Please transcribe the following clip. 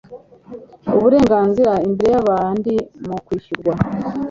uburenganzira imbere y abandi mu kwishyurwa